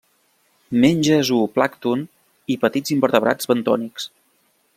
Menja zooplàncton i petits invertebrats bentònics.